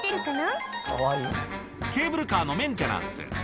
ケーブルカーのメンテナンス。